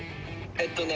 えっとね。